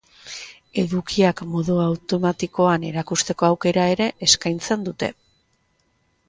Edukiak modu automatikoan erakusteko aukera ere eskaintzen dute.